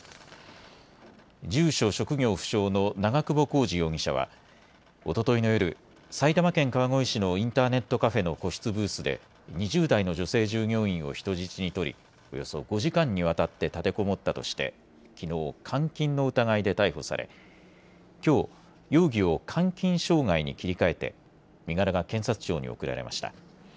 住所・職業不詳の長久保浩二容疑者はおとといの夜、埼玉県川越市のインターネットカフェの個室ブースで、２０代の女性従業員を人質に取りおよそ５時間にわたって立てこもったとしてきのう監禁の疑いで逮捕されきょう容疑を監禁傷害に切り替えて身柄が検察庁に送られました。